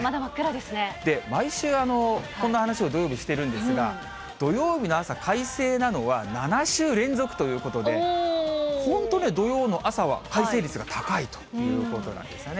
で、毎週、こんな話を土曜日してるんですが、土曜日の朝、快晴なのは７週連続ということで、本当ね、土曜の朝は快晴率が高いということなんですよね。